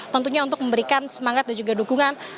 tentunya untuk memberikan semangat dan juga dukungan